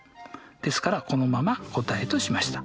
ですからこのまま答えとしました。